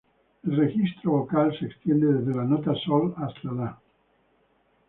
El registro vocal se extiende desde la nota "sol" hasta "la".